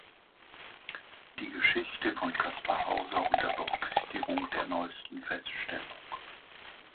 Die Geschichte von Kaspar Hauser unter Berücksichtigung der neuesten Feststellung".